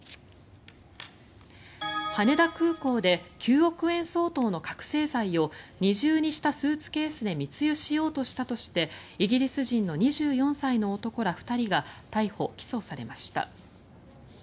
羽田空港で９億円相当の覚醒剤を二重にしたスーツケースで密輸しようとしたとしてイギリス人の２４歳の男ら２人が逮捕・起訴されました。